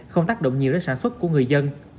không tác động nhiều đến sản xuất của người dân